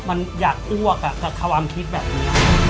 มันอยากอ้วกกับความคิดแบบนี้